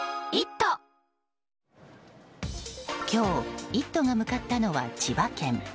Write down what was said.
今日「イット！」が向かったのは千葉県。